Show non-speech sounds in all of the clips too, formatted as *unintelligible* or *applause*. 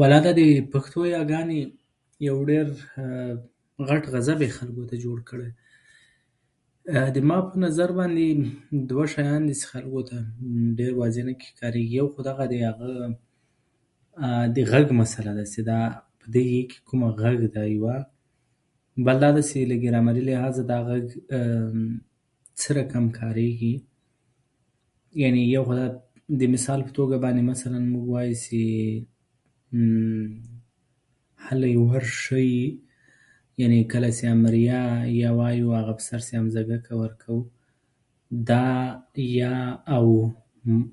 ولا، د دې د پښتو یاګانو ډېر غټ غ غضت یې خلکو ته جوړ کړی. زما په نظر باندې دوه شیان دي چې خلکو ته ډېر واضح نه پکې ښکاريږي. يو خو د *hesitation* غږ مسله ده، چې دې کې کوم غږ ده. یوه بل دا ده چې ګرامري لحاظه دا غږ *hesitation* څه رقم کارېږي. یعنې یو خو دا د مثال په توګه وایو چې *hesitation* هلی، ورشئ؛ یعنې کله چې امریه ی وایو، او په سر باندې همزه ګکه ورکوو، دا ی او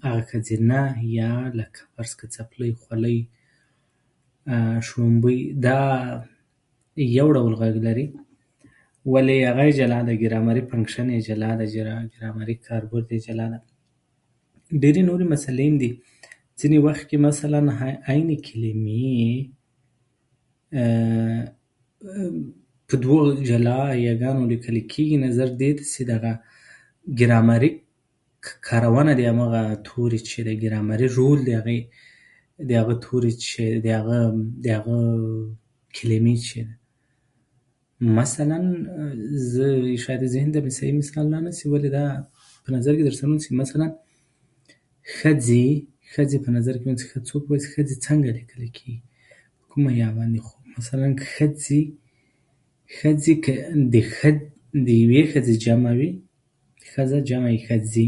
ښځينه ی، فرض کړه څپلۍ، خولۍ، شړومبۍ، دا یو ډول غږ لري، ولې هغه یې جلا ده، ګرامري فنکشن یې جلا ده. *unintelligible* ګرامري کاربرد یې جلا ده. ډېری نورې مسلې هم دي، چې مخکې مثلا عین کلیمې *hesitation* په دوو جلا یاګانو لیکل کېږي، نظر دې ته چې دغه ګرامري کارونه د هماغه توري چې ده، ګرامري رول د هغې، د هغه توري، چې د هغه هغه کلیمې چې ولې مثلا زه شاید ذهن ته صحیح مثال رانشي. *unintelligible* مثلا ښځې، ښځې په نظر کې ونیسی، په نظر کې ونیسو. ښه، څو اوس ښځې څنګه لیکل کېږي، په کومه ی باندې؟ خو مثلا ښځې که د یوې ښځې جمع وي، ښځه، جمع یې ښځه،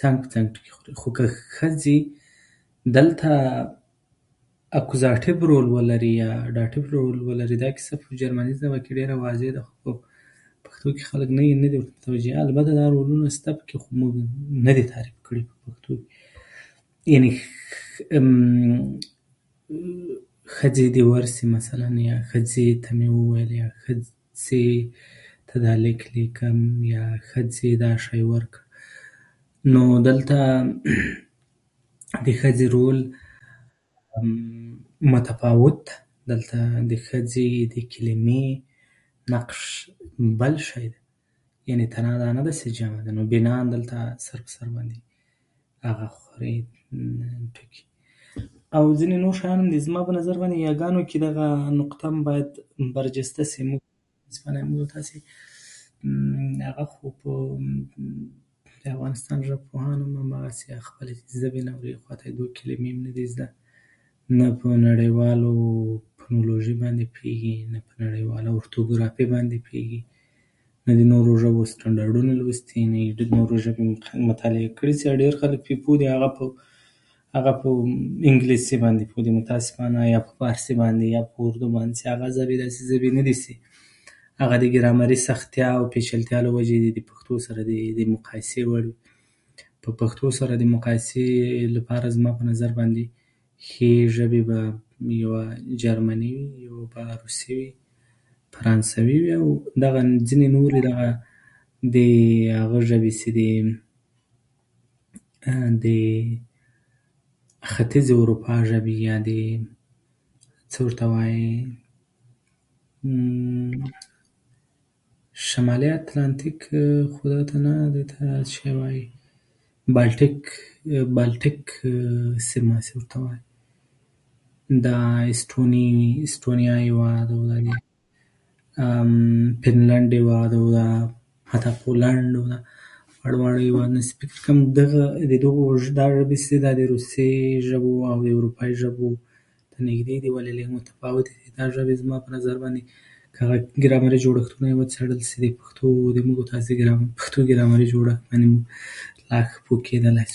څنګ په څنګ ټکي خوري، خو که ښځې دلته اپوزاټیف رول ولري، یا ډاتیف رول ولري، دا کیسه په جرمني ژبه کې ډېره واضح ده، خو په پښتو کې خلک نه دي ورته متوجه. البته دا رول شته پکې، نه دي تعریف کړي په پښتو کې. یعنې ښښښښ *hesitation* ښځې دې ورشي مثلا، یا ښځې ته مې وویل، یا مثلا ښځې ته دا لیک لیکم، ښځې دا شی ورکړه. نو دلته *noise* د ښځې رول *hesitation* متفاوت ده. دلته، دلته د ښځې د کلیمې نقش بل شی ده؛ یعنې تنها دا نه ده چې جمع ده، نو بنا دلته سر په سر باندې هغه خوري ټکي او ځينې نور شیان هم دي. او زما په نظر باندې، یاګانو کې دا نقطه هم برجسته شي. موږ متاسفانه، موږ و تاسې *hesitation* *unintelligible* د افغانستان ژبپوهانو هم هماغسې خپل ژبې نه ورها خوا ته، خپلې کليمې نه دي زده. نو په نړيوالو ژبو کې، نو په نړيوالو اورتوګرافي باندې پوهېږي نه، د نورو ژبو ستندردونه لوستي نه یې، نورو ژبو مطالعه کړي. ډېر خلک چې پرې پوه دي، هغه په انګليسي باندې پوه متاسفانه، یا په فارسي باندې، يا په اردو باندې، چې هغه داسې ژبې نه دي چې هغه د ګرامري سختيا يا پيچلتيا له وجې د پښتو سره د مقایسې وړ وي. په پښتو سره د مقایسې لپاره زما په نظر باندې ښې ژبې به، زما په نظر، یوه جرمني وي، یوه روسي وي، فرانسوي او ځینې نورې د هغه ژبې چې دي، *hesitation* د ختيځې اروپا ژبې یا څه ورته وايي، شمالي اتلانتیک *unintelligible* څه ورته وايي، بالټيک، بالټيک سیمه چې ورته وايي، دا استونيا هېواد، دا فنلنډ هېواد، حتی پولنډ او دغه واړه واړه هېوادونه. فکر کوم دغه *unintelligible* روسي ژبو او اروپا *unintelligible* ته نږدې دي، ولې لږ متفاوت دي. دا ژبې، زما په نظر باندې، که ګرامري جوړښتونه یې وڅېړل شي، د پښتو، زموږ او تاسې پښتو ګرامري جوړښت باندې لا ښه پوه کېدلا شو.